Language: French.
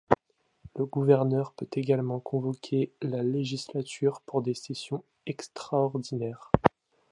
Le gouverneur peut également convoquer la législature pour des sessions extraordinaires.